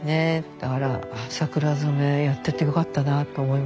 だから桜染めやっててよかったなと思います。